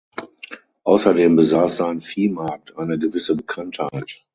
Außerdem besaß sein Viehmarkt eine gewisse Bekanntheit.